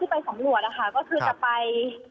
ที่ไปสำรวจก็คือจะไป